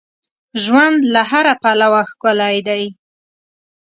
ژوند له هر پلوه ښکلی دی.